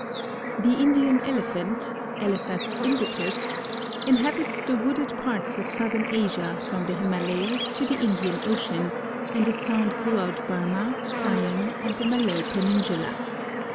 _) The Indian Elephant (Elephas indicus) inhabits the wooded parts of Southern Asia from the Himalayas to the Indian Ocean, and is found throughout Burmah, Siam and the Malay Peninsula.